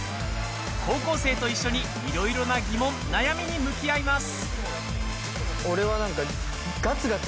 高校生と一緒に、いろいろな疑問悩みに向き合います。